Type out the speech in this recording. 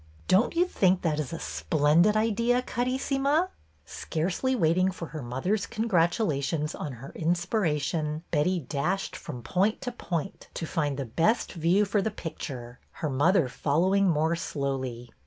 Don't you think that is a splendid idea, Carissima? " Scarcely waiting for her mother's congratu lations on her inspiration, Betty dashed from point to point to find the best view for the picture, her mother following more slowly.